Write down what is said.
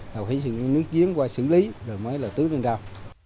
rồi phải sử dụng nước diến qua xử lý rồi mới là tước lên rau